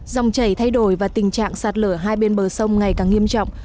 dòng chảy thay đổi và tình trạng sạt lở hai bên bờ sông ngày càng nghiêm trọng